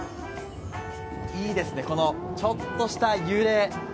いいですね、ちょっとした揺れ。